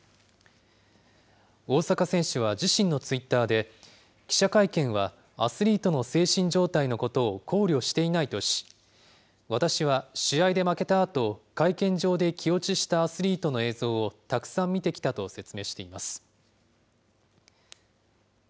大坂選手は、自身のツイッターで、記者会見はアスリートの精神状態のことを考慮していないとし、私は試合で負けたあと、会見場で気落ちしたアスリートの映像をたくさん見てきたと説明しています。